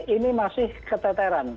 ini masih keteteran